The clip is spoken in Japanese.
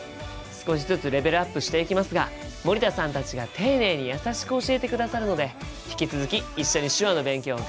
少しずつレベルアップしていきますが森田さんたちが丁寧に優しく教えてくださるので引き続き一緒に手話の勉強頑張りましょうね！